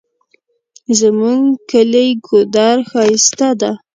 زمونږ کلی ګودر ښایسته ده